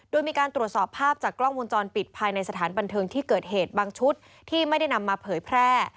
โดยมีการตรวจสอบภาพจากกล้องวงจรปิดภายในสถานบันเทิงที่เกิดเหตุบางชุดที่ไม่ได้นำมาเผยแพร่